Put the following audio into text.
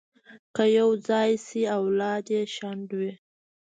که یو ځای شي، اولاد یې شنډ وي.